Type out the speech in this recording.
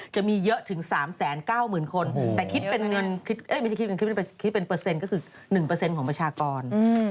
จะมีเยอะถึง๓๙๐๐๐๐คนแต่คิดเป็นเปอร์เซ็นต์ก็คือ๑ของประชากร